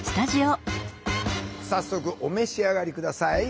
早速お召し上がり下さい。